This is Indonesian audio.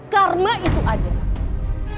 karma itu adalah kamu